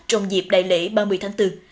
trong dịp đại lễ ba mươi tháng bốn